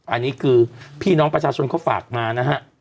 อันนี้คือพี่น้องประชาชนเขาฝากมานะฮะ